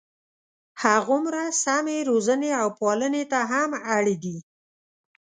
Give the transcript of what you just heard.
هغومره سمې روزنې او پالنې ته هم اړ دي.